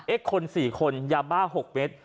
เอ็กส์คนสี่คนยาบ้า๖เมตร